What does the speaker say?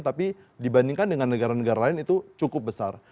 tapi dibandingkan dengan negara negara lain itu cukup besar